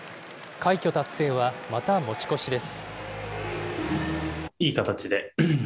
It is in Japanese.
快挙達成は、また持ち越しです。